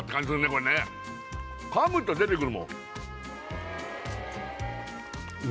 これね噛むと出てくるもん